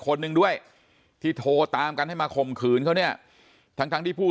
คนหนึ่งด้วยที่โทรตามกันให้มาข่มขืนเขาเนี่ยทั้งทั้งที่ผู้